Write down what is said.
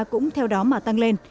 cũng theo đó mà tăng lên